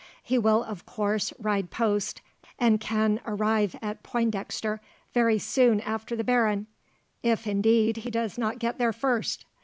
He will, of course, ride post, and can arrive at Pointdexter very soon after the baron, if indeed he does not get there first.